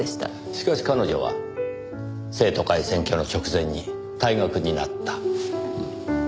しかし彼女は生徒会選挙の直前に退学になった。